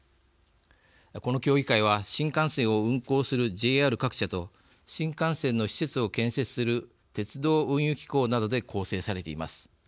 この協議会は、新幹線を運行するＪＲ各社と新幹線の施設を建設する鉄道・運輸機構などで構成されています。